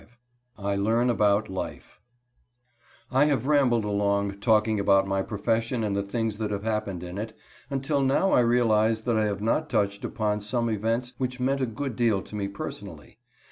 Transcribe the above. V I LEARN ABOUT LIFE I have rambled along, talking about my profession and the things that have happened in it, until now I realize that I have not touched upon some events which meant a good deal to me personally.